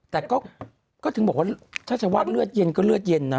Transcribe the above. แต่ก็ถึงบอกว่าถ้าจะว่าเลือดเย็นก็เลือดเย็นนะ